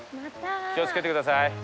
気を付けてください。